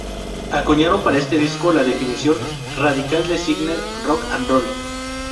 Acuñaron para este disco la definición "radical designer rock and roll".